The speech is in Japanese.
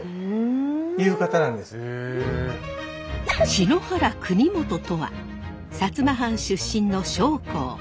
篠原国幹とは摩藩出身の将校。